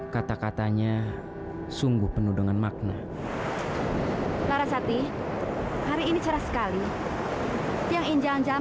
kata katanya sungguh penuh dengan makna para shetty hari ini seras sekali yang ochakh